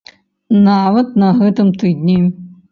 Нават на гэтым тыдні.